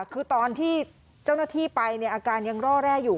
คือตอนที่เจ้าหน้าที่ไปอาการยังร่อแร่อยู่